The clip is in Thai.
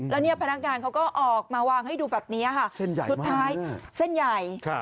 แล้วเนี่ยพนักงานเขาก็ออกมาวางให้ดูแบบนี้ค่ะเส้นใหญ่สุดท้ายเส้นใหญ่